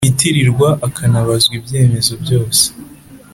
Witirirwa akanabazwa ibyemezo byose